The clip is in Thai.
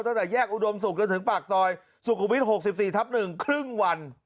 ตั้งแต่แยกอุดมศุกร์จนถึงปากซอยสุขุมวิทย์๖๔ทับ๑ครึ่งวัน